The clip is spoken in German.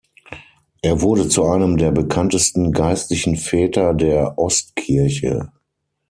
Er wurde zu einem der bekanntesten geistlichen Väter der Ostkirche.